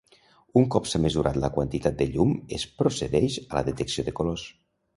Un cop s'ha mesurat la quantitat de llum es procedeix a la detecció de colors.